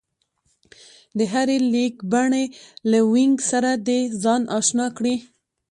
د هرې لیکبڼې له وينګ سره دې ځان اشنا کړي